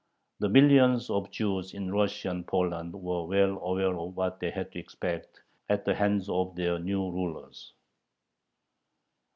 The millions of Jews in Russian Poland were well aware of what they had to expect at the hands of their new rulers.